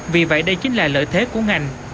vì vậy đây chính là lợi thế của ngành